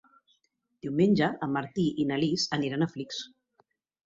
Diumenge en Martí i na Lis aniran a Flix.